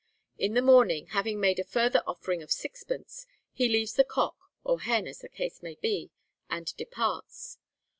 In the morning, having made a further offering of sixpence, he leaves the cock (or hen, as the case may be) and departs.